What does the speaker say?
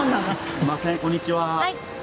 「すいませんこんにちは」